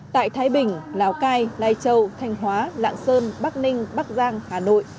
tại thái bình lào cai lai châu thanh hóa lạng sơn bắc ninh bắc giang hà nội